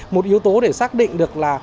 một yếu tố để xác định được là